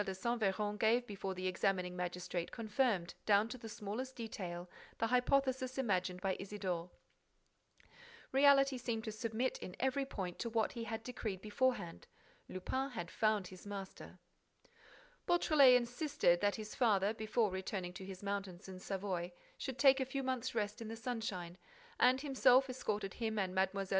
de Saint Véran gave before the examining magistrate confirmed, down to the smallest detail, the hypothesis imagined by Isidore. Reality seemed to submit, in every point, to what he had decreed beforehand. Lupin had found his master.— Beautrelet insisted that his father, before returning to his mountains in Savoy, should take a few months' rest in the sunshine, and himself escorted him and Mlle.